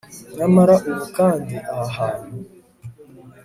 Nyamara ubu kandi aha hantu